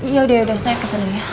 yaudah yaudah saya kesana ya